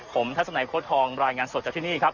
ผมทัศนัยโค้ดทองรายงานสดจากที่นี่ครับ